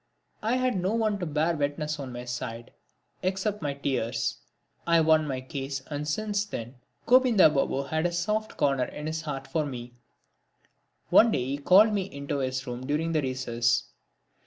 I had no one to bear witness on my side except my tears. I won my case and since then Govinda Babu had a soft corner in his heart for me. One day he called me into his room during the recess.